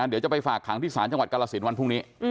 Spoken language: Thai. เดี๋ยวจะไปฝากขังที่ศาลจังหวัดกรสินวันพรุ่งนี้